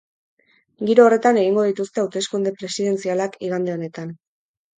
Giro horretan egingo dituzte hauteskunde presidentzialak igande honetan.